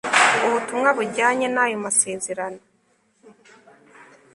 ubutumwa bujyanye n' ayo masezerano